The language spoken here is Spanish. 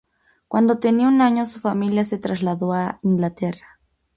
Cuando tenía un año su familia se trasladó a Inglaterra.